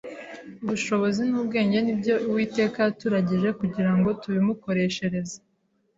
ubushobozi n’ubwenge ni ibyo Uwiteka yaturagije kugira ngo tubimukoreshereze.